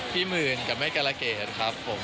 พี่เมื่นกับเมฆการะเกดครับผม